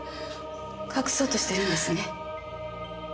隠そうとしてるんですね。